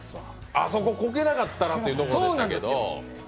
あそこコケなかったらというところですけど。